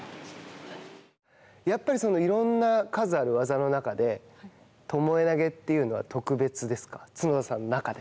やっぱりいろんな数ある技の中で巴投げっていうのは特別ですか、常に角田さんの中で。